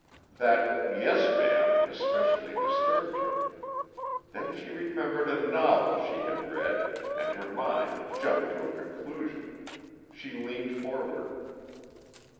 That "Yes, ma'am," especially disturbed her. Then she remembered a novel she had read and her mind jumped to a conclusion. She leaned forward.